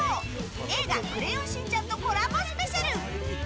「映画クレヨンしんちゃん」とコラボスペシャル。